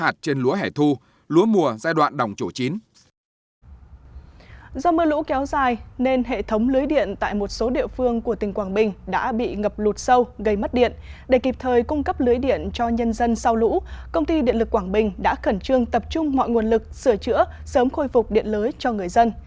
công ty điện lực quảng bình đã khẩn trương tập trung mọi nguồn lực sửa chữa sớm khôi phục điện lưới cho người dân